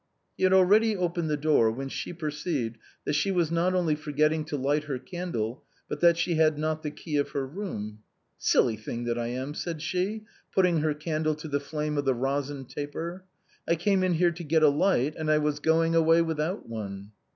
He had already opened the door, when she perceived that she was not only forgetting to light her candle, but that she had not the key of her room. " Silly thing that I am," said she, putting her candle to the flame of the resin taper, " I came in here to get a light, and I am going away without one."